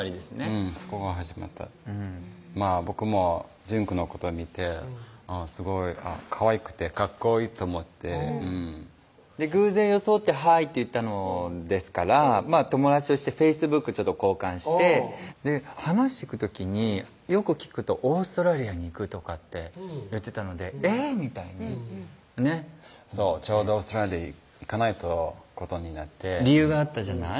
うんそこが始まった僕も純くんのこと見てすごいかわいくてかっこいいと思って偶然装って「Ｈｉ！」って言ったのですから友達としてＦａｃｅｂｏｏｋ交換して話聞く時によく聞くと「オーストラリアに行く」とかって言ってたのでえぇっみたいにねっそうちょうどオーストラリア行かないとことになって理由があったじゃない？